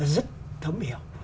rất thấm hiểu